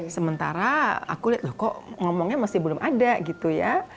sementara aku lihat loh kok ngomongnya masih belum ada gitu ya